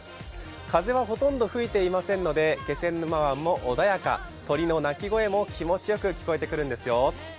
風はほとんど吹いていませんので、気仙沼湾も穏やか、鳥の鳴き声もきもちよく聞こえてくるんですよ